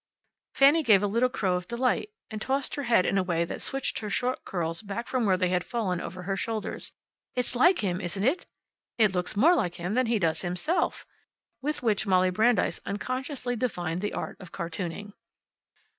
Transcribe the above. Fanny gave a little crow of delight and tossed her head in a way that switched her short curls back from where they had fallen over her shoulders. "It's like him, isn't it?" "It looks more like him than he does himself." With which Molly Brandeis unconsciously defined the art of cartooning.